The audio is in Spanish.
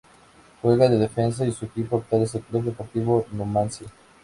Juega de defensa y su equipo actual es el Club Deportivo Numancia.